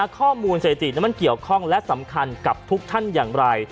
ข้อมูลสถิตินั้นมันเกี่ยวข้องและสำคัญกับทุกท่านอย่างไร